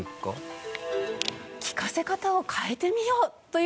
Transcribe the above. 聞かせ方を変えてみようという事になります。